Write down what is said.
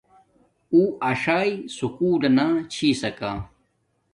اُّو اݽݵ سکولنا مونا چھساکا